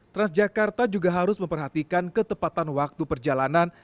transjakarta juga harus memperhatikan ketepatan waktu perjalanan